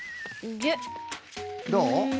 どう？